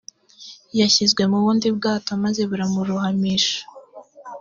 yashyizwe mu bundi bwato maze buramurohamisha